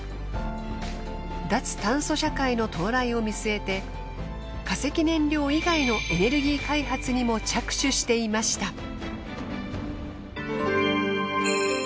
脱炭素社会の到来を見据えて化石燃料以外のエネルギー開発にも着手していました。